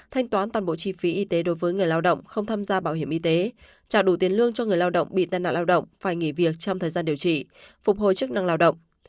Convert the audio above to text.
thanh toán toàn bộ chi phí y tế đối với người lao động không tham gia bảo hiểm y tế trả đủ tiền lương cho người lao động bị tai nạn lao động phải nghỉ việc trong thời gian điều trị phục hồi chức năng lao động